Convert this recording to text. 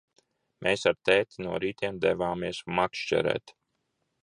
Mēs ar tēti no rītiem devāmies makšķerēt.